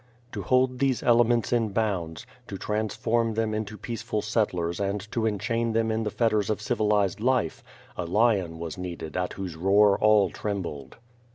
To hold these elements in bounds, to transform them into peaceful settlers and to enchain them in the fetters of civilized life, a lion was needed at whose roar all trembled.